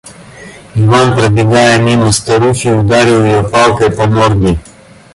Иван, пробегая мимо старухи, ударил её палкой по морде.